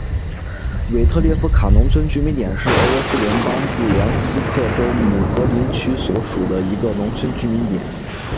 韦特列夫卡农村居民点是俄罗斯联邦布良斯克州姆格林区所属的一个农村居民点。